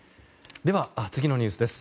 では、次のニュースです。